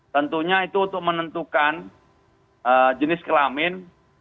tentunya itu untuk menentukan jenis kelamin